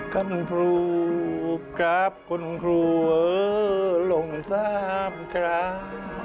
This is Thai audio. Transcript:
กันพรูกราบคนครัวหลงซ้ำกราบ